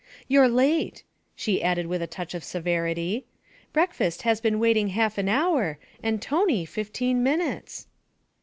You're late,' she added with a touch of severity. 'Breakfast has been waiting half an hour and Tony fifteen minutes.'